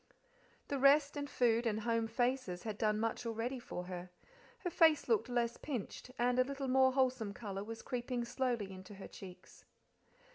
The rest and food and home faces had done much already for her; her face looked less pinched, and a little more wholesome colour was creeping slowly into her cheeks.